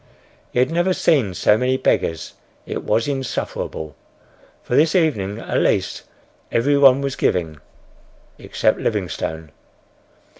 He had never seen so many beggars. It was insufferable. For this evening, at least, every one was giving—except Livingstone.